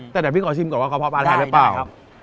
แต่เดี๋ยวพี่ขอชิมก่อนว่ากะเพาะปลาแท้ได้ป่าว